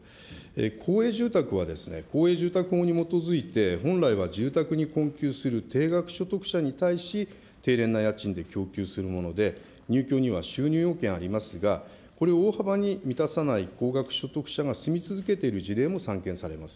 公営住宅は公営住宅法に基づいて本来は住宅に困窮する低額所得者に対し、低廉な家賃で供給するものでありまして、入居には収入要件ありますが、これを大幅に満たさない高額所得者が住み続けている事例も散見されます。